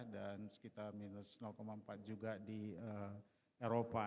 dan sekitar minus empat juga di eropa